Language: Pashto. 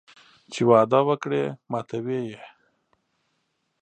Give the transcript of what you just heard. چې وعده وکړي ماتوي یې